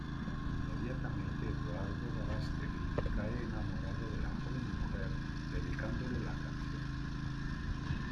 Inmediatamente Eduardo Verástegui cae enamorado de la joven mujer dedicándole la canción.